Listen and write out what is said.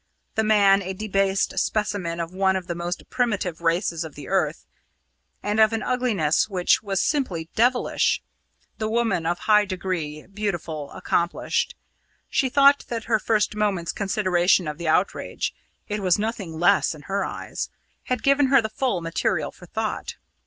The man a debased specimen of one of the most primitive races of the earth, and of an ugliness which was simply devilish; the woman of high degree, beautiful, accomplished. She thought that her first moment's consideration of the outrage it was nothing less in her eyes had given her the full material for thought.